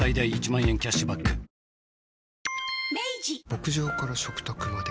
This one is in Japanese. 牧場から食卓まで。